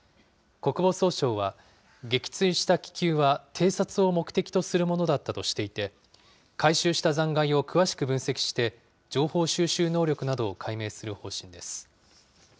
国防総省は、撃墜した気球は偵察を目的とするものだったとしていて、回収した残骸を詳しく分析して、情報収集能力などを解明する方針です。